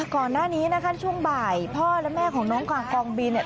ก่อนหน้านี้นะคะช่วงบ่ายพ่อและแม่ของน้องกลางกองบินเนี่ย